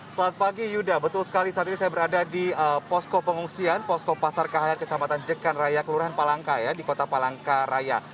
selamat pagi yuda betul sekali saat ini saya berada di posko pengungsian posko pasar kahayan kecamatan jekan raya kelurahan palangka ya di kota palangkaraya